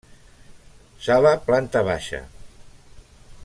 Sala Planta Baja.